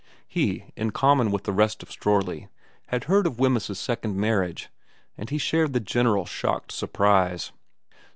He, in common with the rest of Strorley, had heard of Wemyss's second marriage, and he shared the general shocked surprise.